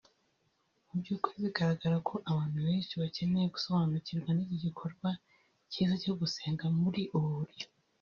Mu byukuri bigaragara ko abantu benshi bakeneye gusobanukirwa n’iki gikorwa cyiza cyo gusenga muri ubu buryo